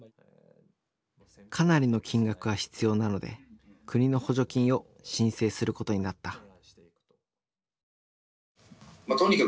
かなりの金額が必要なので国の補助金を申請することになった。